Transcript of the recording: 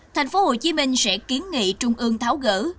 tp hcm sẽ kiến nghị trung ương tháo gỡ